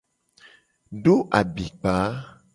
Do abikpa.